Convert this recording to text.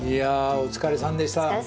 お疲れさまでした。